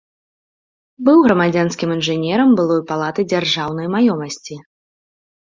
Быў грамадзянскім інжынерам былой палаты дзяржаўнай маёмасці.